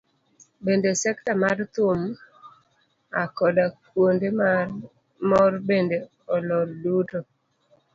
Bende sekta mar thum akoda kuonde mor bende olor duto.